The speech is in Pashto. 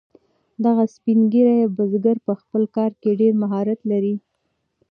دغه سپین ږیری بزګر په خپل کار کې ډیر مهارت لري.